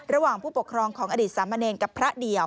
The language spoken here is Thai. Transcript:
ผู้ปกครองของอดีตสามเณรกับพระเดี่ยว